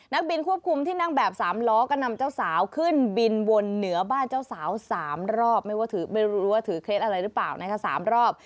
นักบินควบคุมที่นั่งแบบสามล้อก็นำเจ้าสาวขึ้นบินวนเหนือบ้านเจ้าสาว๓รอบไม่ว่าถือไม่รู้ว่าถือเคล็ดอะไรหรือเปล่านะคะ๓รอบ